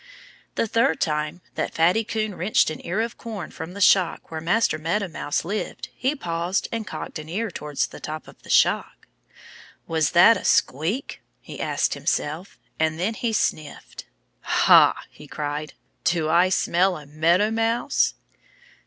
The third time that Fatty Coon wrenched an ear of corn from the shock where Master Meadow Mouse lived he paused and cocked an ear towards the top of the shock. "Was that a squeak?" he asked himself. And then he sniffed. "Ha!" he cried. "Do I smell a Meadow Mouse?"